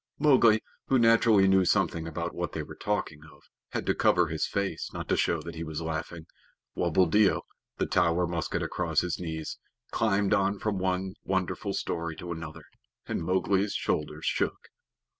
Mowgli, who naturally knew something about what they were talking of, had to cover his face not to show that he was laughing, while Buldeo, the Tower musket across his knees, climbed on from one wonderful story to another, and Mowgli's shoulders shook.